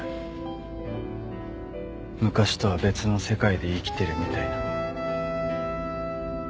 昔とは別の世界で生きてるみたいな。